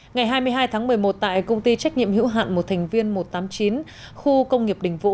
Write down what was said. ngày hai mươi hai tháng một mươi một tại công ty trách nhiệm hữu hạn một thành viên một trăm tám mươi chín khu công nghiệp đình vũ